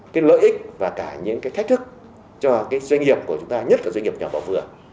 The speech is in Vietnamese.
cái lợi ích và cả những cái thách thức cho cái doanh nghiệp của chúng ta nhất là doanh nghiệp nhỏ và vừa